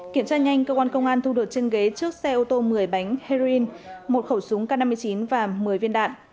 kiểm tra nhanh cơ quan công an thu được trên ghế trước xe ô tô một mươi bánh heroin một khẩu súng k năm mươi chín và một mươi viên đạn